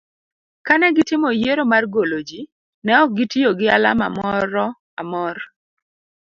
kane gitimo yiero mar golo jii, ne ok gitiyo gi alama moro amor